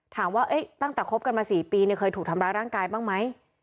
ถามว่าตั้งแต่คบกันมา๔ปีเนี่ยเคยถูกทำรักร่างกายบ้างไหม